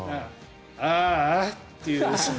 あーあっていう。